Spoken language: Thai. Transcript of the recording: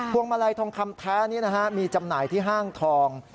วงมาลัยทองคำแท้นี้มีจำหน่ายที่ห้างทอง